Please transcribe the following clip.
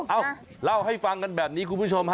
เอ้าเล่าให้ฟังกันแบบนี้คุณผู้ชมฮะ